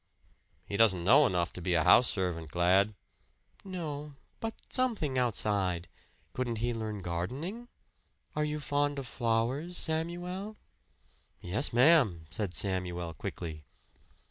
"He doesn't know enough to be a house servant, Glad " "No but something outside. Couldn't he learn gardening? Are you fond of flowers, Samuel?" "Yes, ma'am," said Samuel quickly.